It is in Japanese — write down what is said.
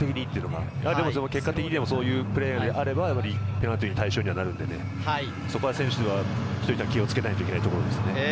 結果的でも、そういうプレーであれば、ペナルティーの対象になるので、選手は気を付けなければいけないところですね。